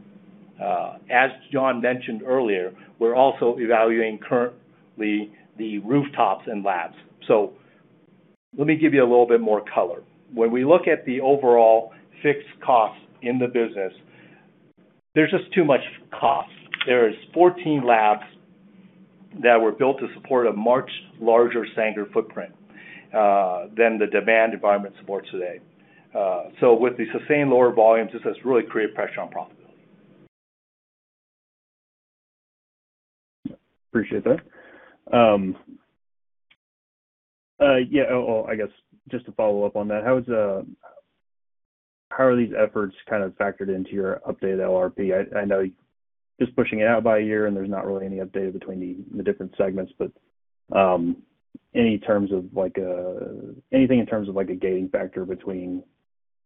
As John mentioned earlier, we're also evaluating currently the rooftops and labs. Let me give you a little bit more color. When we look at the overall fixed costs in the business. There's just too much cost. There is 14 labs that were built to support a much larger Sanger footprint than the demand environment supports today. With the sustained lower volumes, this has really created pressure on profitability. Appreciate that. Yeah. I guess just to follow up on that, how are these efforts kind of factored into your updated LRP? I know you're just pushing it out by a year, there's not really any update between the different segments. Any terms of like, anything in terms of, like, a gating factor between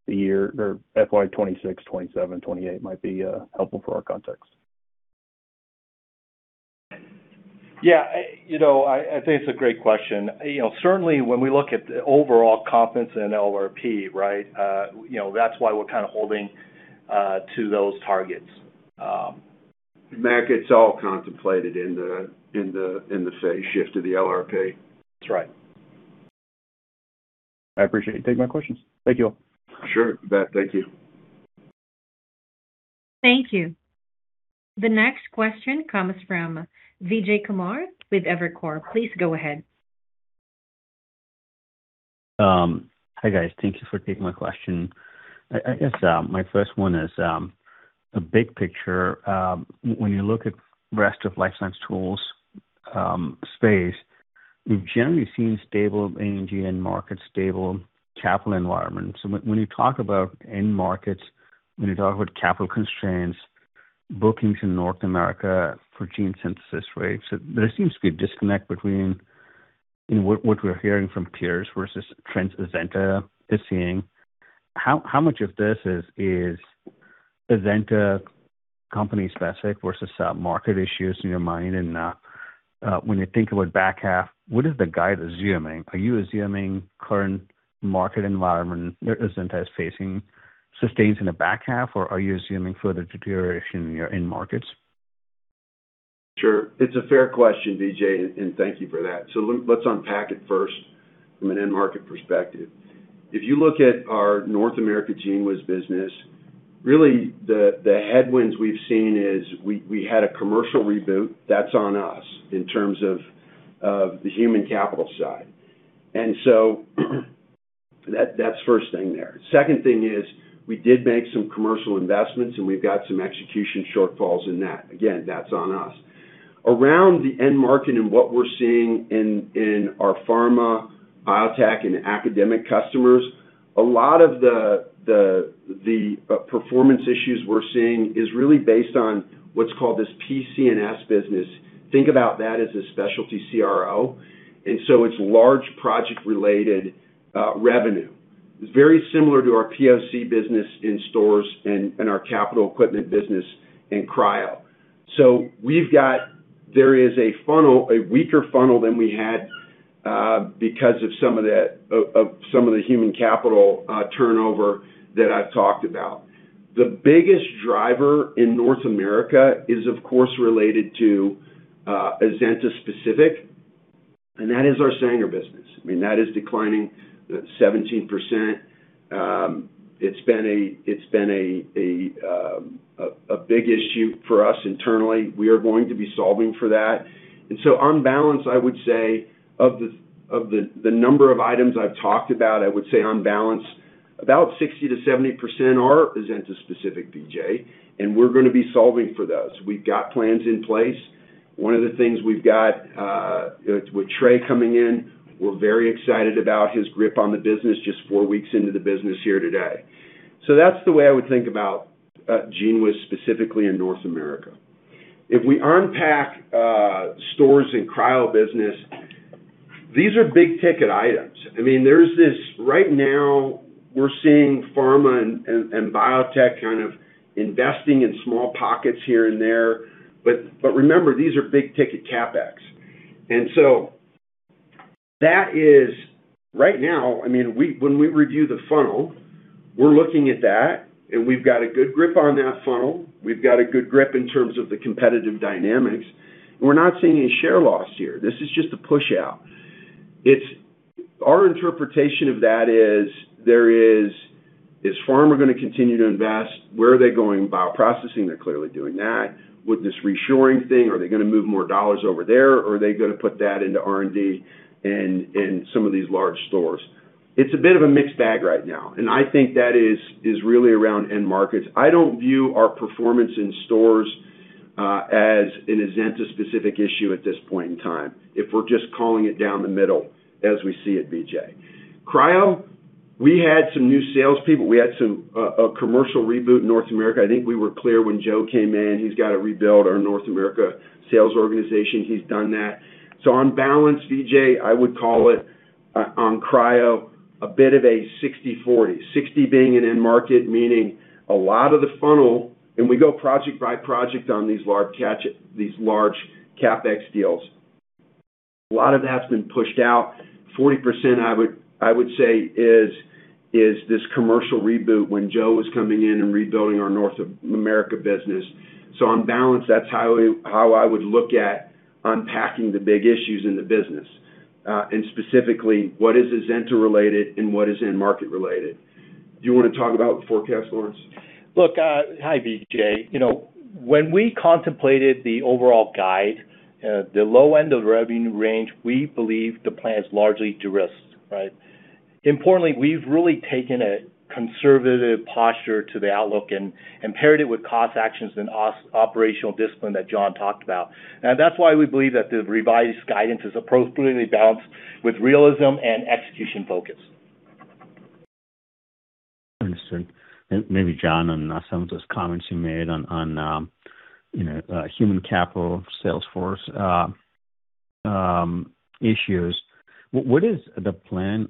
the year or FY 2026, 2027, 2028 might be helpful for our context. Yeah. You know, I think it's a great question. You know, certainly when we look at the overall confidence in LRP, right? You know, that's why we're kind of holding to those targets. Mac, it's all contemplated in the phase shift of the LRP. That's right. I appreciate you taking my questions. Thank you all. Sure, you bet. Thank you. Thank you. The next question comes from Vijay Kumar with Evercore. Please go ahead. Hi guys. Thank you for taking my question. I guess my first one is a big picture. When you look at rest of life science tools space, we've generally seen stable end market, stable capital environment. When you talk about end markets, when you talk about capital constraints, bookings in North America for gene synthesis rates, there seems to be a disconnect between, you know, what we're hearing from peers versus trends Azenta is seeing. How much of this is Azenta company specific versus market issues in your mind? When you think about back half, what is the guide assuming? Are you assuming current market environment that Azenta is facing sustains in the back half, or are you assuming further deterioration in your end markets? Sure. It's a fair question, Vijay, thank you for that. Let's unpack it first from an end market perspective. If you look at our North America GENEWIZ business, really the headwinds we've seen is we had a commercial reboot that's on us in terms of the human capital side. That's first thing there. Second thing is we did make some commercial investments, we've got some execution shortfalls in that. Again, that's on us. Around the end market and what we're seeing in our pharma, biotech and academic customers, a lot of the performance issues we're seeing is really based on what's called this PCNS business. Think about that as a specialty CRO. It's large project related revenue. It's very similar to our POC business in stores and our capital equipment business in cryo. There is a funnel, a weaker funnel than we had because of some of the human capital turnover that I've talked about. The biggest driver in North America is, of course, related to Azenta specific, and that is our Sanger business. I mean, that is declining 17%. It's been a big issue for us internally. We are going to be solving for that. On balance, I would say of the number of items I've talked about, I would say on balance, about 60%-70% are Azenta specific, Vijay, and we're gonna be solving for those. We've got plans in place. One of the things we've got, with Trey coming in, we're very excited about his grip on the business just four weeks into the business here today. That's the way I would think about GENEWIZ specifically in North America. If we unpack, stores and cryo business, these are big-ticket items. I mean, right now we're seeing pharma and biotech kind of investing in small pockets here and there. Remember, these are big-ticket CapEx. That is right now, I mean, when we review the funnel, we're looking at that, and we've got a good grip on that funnel. We've got a good grip in terms of the competitive dynamics. We're not seeing any share loss here. This is just a push out. Our interpretation of that is there is pharma gonna continue to invest? Where are they going? Bioprocessing, they're clearly doing that. With this reshoring thing, are they gonna move more dollars over there, or are they gonna put that into R&D and some of these large stores? It's a bit of a mixed bag right now, and I think that is really around end markets. I don't view our performance in stores as an Azenta specific issue at this point in time, if we're just calling it down the middle as we see it, Vijay. Cryo, we had some new sales people. We had a commercial reboot in North America. I think we were clear when Joe came in, he's got to rebuild our North America sales organization. He's done that. On balance, Vijay, I would call it on cryo a bit of a 60/40, 60% being an end market, meaning a lot of the funnel, and we go project by project on these large CapEx deals. A lot of that's been pushed out. 40%, I would say is this commercial reboot when Joe was coming in and rebuilding our North America business. On balance, that's how I would look at unpacking the big issues in the business, and specifically what is Azenta related and what is end market related. Do you wanna talk about the forecast, Lawrence? Look, hi, Vijay. You know, when we contemplated the overall guide, the low end of revenue range, we believe the plan is largely de-risked, right? Importantly, we've really taken a conservative posture to the outlook and paired it with cost actions and operational discipline that John talked about. That's why we believe that the revised guidance is appropriately balanced with realism and execution focus. Understood. Maybe John, on some of those comments you made on, you know, human capital sales force issues, what is the plan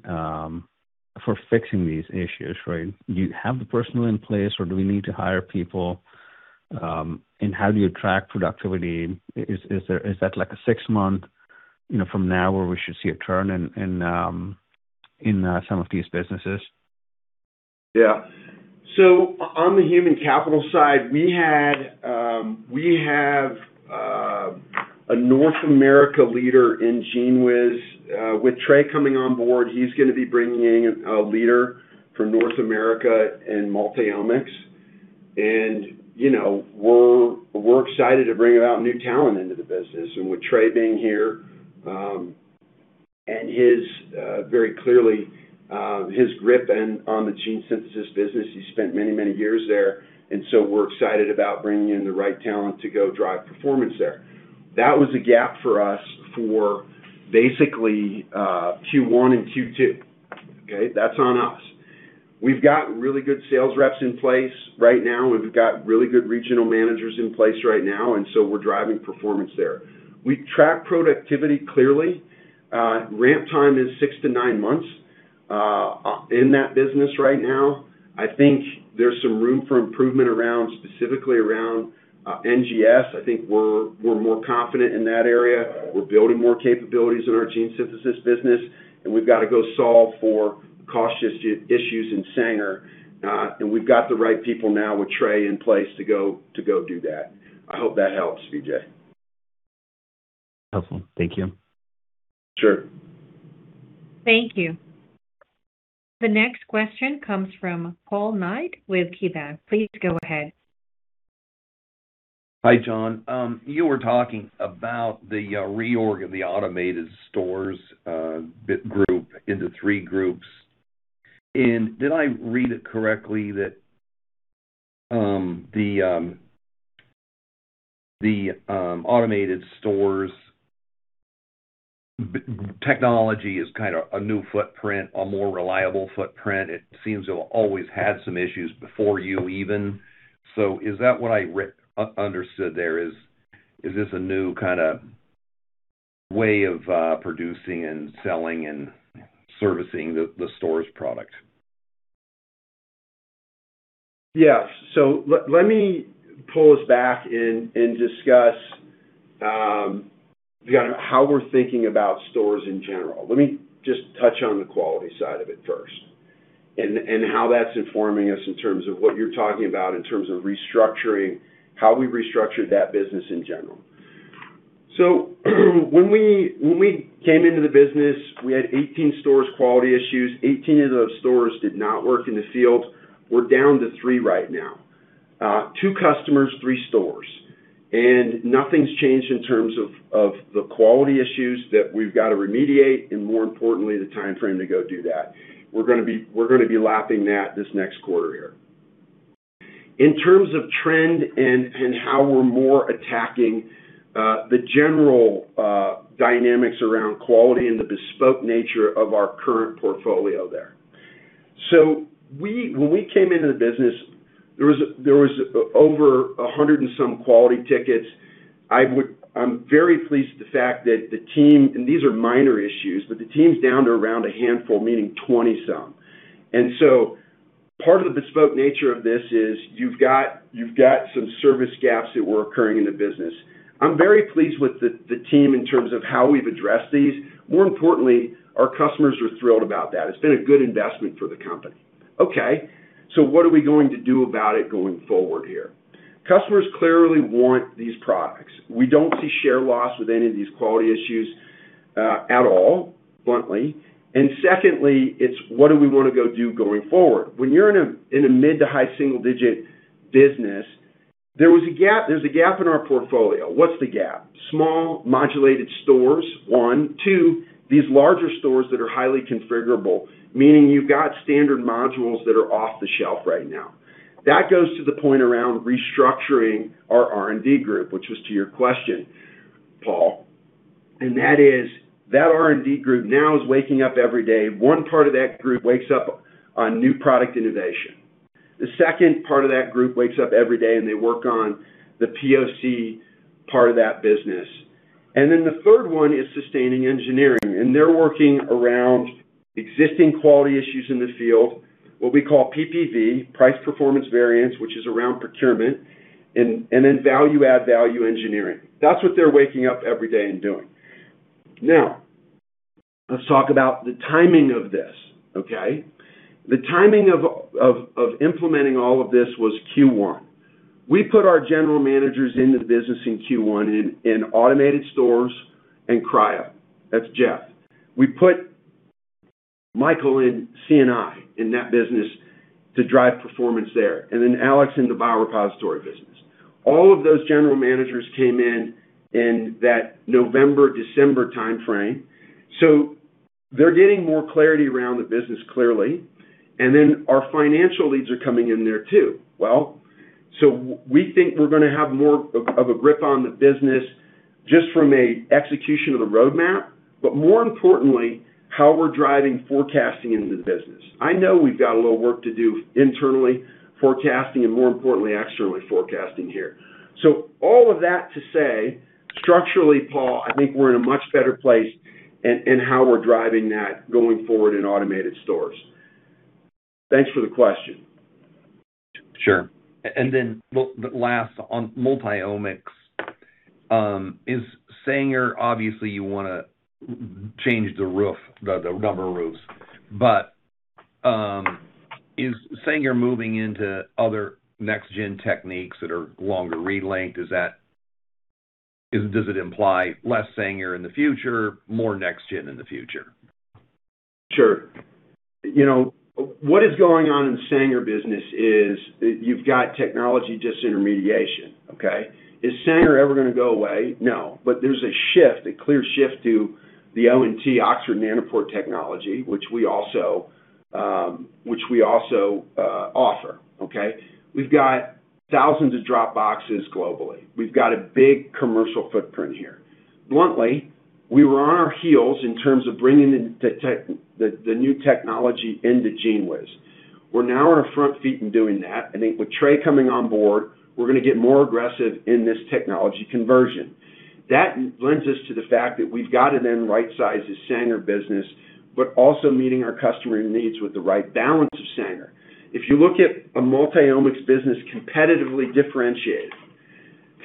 for fixing these issues, right? Do you have the personnel in place, or do we need to hire people? How do you track productivity? Is that like a six-month, you know, from now where we should see a turn in some of these businesses? Yeah. On the human capital side, we had, we have, a North America leader in GENEWIZ. With Trey coming on board, he's gonna be bringing in a leader for North America and Multiomics. You know, we're excited to bring about new talent into the business. With Trey being here, very clearly, his grip on the gene synthesis business, he spent many, many years there, and so we're excited about bringing in the right talent to go drive performance there. That was a gap for us for basically, Q1 and Q2. Okay? That's on us. We've got really good sales reps in place right now, and we've got really good regional managers in place right now, and so we're driving performance there. We track productivity clearly. Ramp time is 6-9 months in that business right now. I think there's some room for improvement around, specifically around NGS. I think we're more confident in that area. We're building more capabilities in our gene synthesis business, and we've gotta go solve for cost issues in Sanger, and we've got the right people now with Trey in place to go do that. I hope that helps, Vijay. Helpful. Thank you. Sure. Thank you. The next question comes from Paul Knight with KeyBanc. Please go ahead. Hi, John. You were talking about the reorg of the automated stores group into three groups. Did I read it correctly that the automated stores technology is kinda a new footprint, a more reliable footprint? It seems to have always had some issues before you even. Is that what I understood there is this a new kinda way of producing and selling and servicing the stores product? Let me pull us back and discuss, yeah, how we're thinking about stores in general. Let me just touch on the quality side of it first and how that's informing us in terms of what you're talking about in terms of restructuring, how we restructured that business in general. When we came into the business, we had 18 stores quality issues. 18 of those stores did not work in the field. We're down to three right now. Two customers, three stores. Nothing's changed in terms of the quality issues that we've gotta remediate, and more importantly, the timeframe to go do that. We're gonna be lapping that this next quarter here. In terms of trend and how we're more attacking the general dynamics around quality and the bespoke nature of our current portfolio there. When we came into the business, there was over 100 and some quality tickets. I'm very pleased with the fact that the team and these are minor issues, but the team's down to around a handful, meaning 20-some. Part of the bespoke nature of this is you've got some service gaps that were occurring in the business. I'm very pleased with the team in terms of how we've addressed these. More importantly, our customers are thrilled about that. It's been a good investment for the company. What are we going to do about it going forward here? Customers clearly want these products. We don't see share loss with any of these quality issues, at all, bluntly. Secondly, it's what do we wanna go do going forward? When you're in a mid to high single-digit business, there was a gap, there's a gap in our portfolio. What's the gap? Small modulated stores, one. Two, these larger stores that are highly configurable, meaning you've got standard modules that are off the shelf right now. That goes to the point around restructuring our R&D group, which was to your question, Paul. That is, that R&D group now is waking up every day. 1 part of that group wakes up on new product innovation. The second part of that group wakes up every day, and they work on the POC part of that business. Then the third one is sustaining engineering, and they're working around existing quality issues in the field, what we call PPV, price performance variance, which is around procurement, and then value-add, value engineering. Let's talk about the timing of this, okay? The timing of implementing all of this was Q1. We put our general managers into the business in Q1 in automated stores and Cryo. That's Jeff. We put Michael in C&I, in that business to drive performance there, and then Alex in the Biorepository business. All of those general managers came in in that November, December timeframe. They're getting more clarity around the business, clearly, and then our financial leads are coming in there too. Well, we think we're gonna have more of a grip on the business just from a execution of the roadmap, more importantly, how we're driving forecasting into the business. I know we've got a little work to do internally, forecasting, and more importantly, externally forecasting here. All of that to say, structurally, Paul, I think we're in a much better place in how we're driving that going forward in automated stores. Thanks for the question. Sure. And then last, on Multiomics, Obviously you wanna change the roof, the number of roofs. Is Sanger moving into other next gen techniques that are longer read length? Does it imply less Sanger in the future, more next gen in the future? Sure. You know, what is going on in the Sanger business is you've got technology disintermediation, okay? Is Sanger ever gonna go away? No. There's a shift, a clear shift to the ONT, Oxford Nanopore Technologies, which we also offer, okay? We've got thousands of drop boxes globally. We've got a big commercial footprint here. Bluntly, we were on our heels in terms of bringing the new technology into GENEWIZ. We're now on our front feet in doing that. I think with Trey coming on board, we're gonna get more aggressive in this technology conversion. That lends us to the fact that we've got to then right-size the Sanger business, but also meeting our customer needs with the right balance of Sanger. If you look at a Multiomics business competitively differentiated,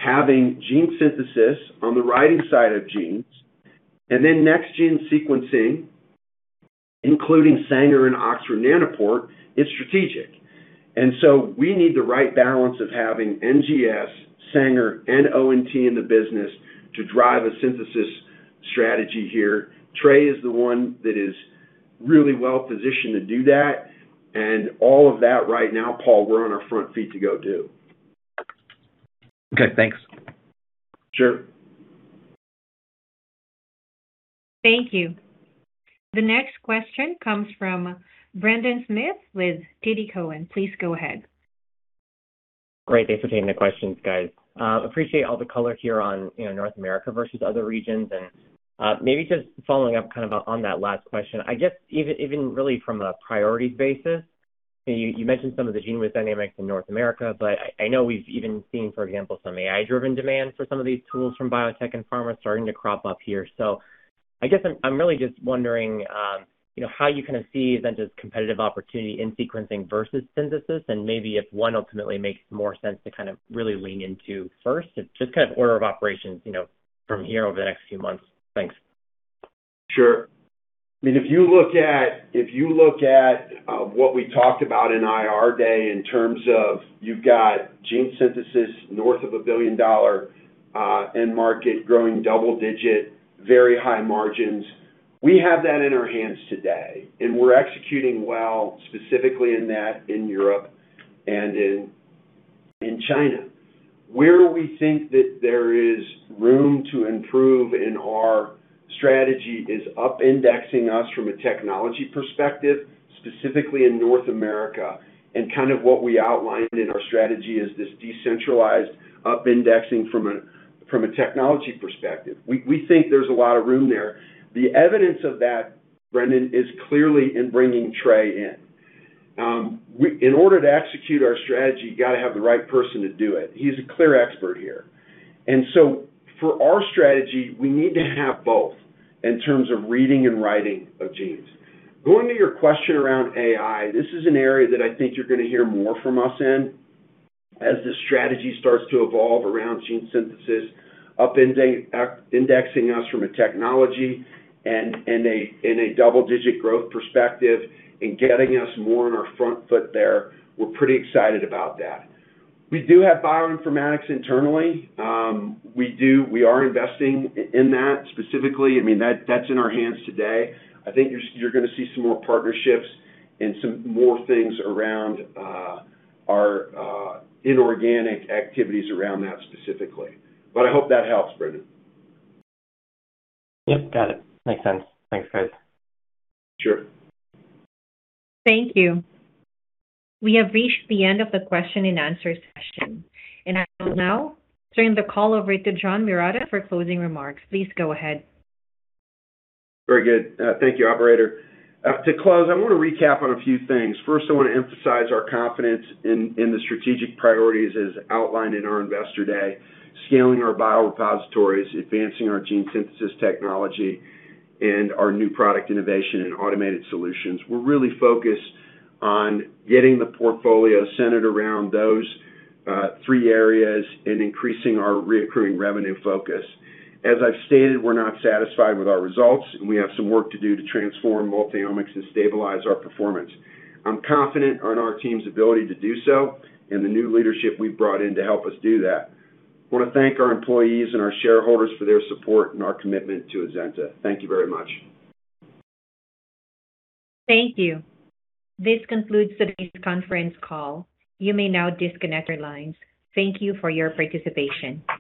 having gene synthesis on the writing side of genes, and then Next Generation Sequencing, including Sanger and Oxford Nanopore, is strategic. We need the right balance of having NGS, Sanger, and ONT in the business to drive a synthesis strategy here. Trey is the one that is really well-positioned to do that, and all of that right now, Paul, we're on our front feet to go do. Okay, thanks. Sure. Thank you. The next question comes from Brendan Smith with TD Cowen. Please go ahead. Great. Thanks for taking the questions, guys. Appreciate all the color here on, you know, North America versus other regions. Maybe just following up kind of on that last question, I guess even really from a priorities basis, you mentioned some of the GENEWIZ dynamics in North America, but I know we've even seen, for example, some AI-driven demand for some of these tools from biotech and pharma starting to crop up here. I guess I'm really just wondering, you know, how you kinda see then this competitive opportunity in sequencing versus synthesis, and maybe if one ultimately makes more sense to kind of really lean into first. Just kind of order of operations, you know, from here over the next few months. Thanks. Sure. I mean, if you look at what we talked about in Investor Day in terms of you've got gene synthesis north of a $1 billion end market growing double-digit, very high margins, we have that in our hands today, and we're executing well, specifically in Europe and in China. Where we think that there is room to improve in our strategy is up-indexing us from a technology perspective, specifically in North America, and kind of what we outlined in our strategy is this decentralized up-indexing from a technology perspective. We think there's a lot of room there. The evidence of that, Brendan, is clearly in bringing Trey in. In order to execute our strategy, you gotta have the right person to do it. He's a clear expert here. For our strategy, we need to have both in terms of reading and writing of genes. Going to your question around AI, this is an area that I think you're gonna hear more from us in as the strategy starts to evolve around gene synthesis, indexing us from a technology and, in a, in a double-digit growth perspective and getting us more on our front foot there. We're pretty excited about that. We do have bioinformatics internally. We do. We are investing in that specifically. I mean, that's in our hands today. I think you're gonna see some more partnerships and some more things around our inorganic activities around that specifically. I hope that helps, Brendan. Yep, got it. Makes sense. Thanks, guys. Sure. Thank you. We have reached the end of the question and answer session. I will now turn the call over to John Marotta for closing remarks. Please go ahead. Very good. Thank you, operator. To close, I want to recap on a few things. First, I want to emphasize our confidence in the strategic priorities as outlined in our Investor Day, scaling our biorepositories, advancing our gene synthesis technology, and our new product innovation and automated solutions. We're really focused on getting the portfolio centered around those three areas and increasing our recurring revenue focus. As I've stated, we're not satisfied with our results, and we have some work to do to transform Multiomics and stabilize our performance. I'm confident on our team's ability to do so and the new leadership we've brought in to help us do that. I want to thank our employees and our shareholders for their support and our commitment to Azenta. Thank you very much. Thank you. This concludes today's conference call. You may now disconnect your lines. Thank you for your participation.